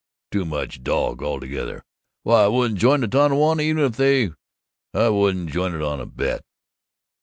Too much dog altogether. Why, I wouldn't join the Tonawanda even if they I wouldn't join it on a bet!"